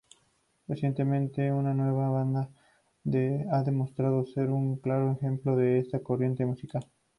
Recientemente, una nueva banda ha demostrado ser un claro ejemplo de esta corriente musical.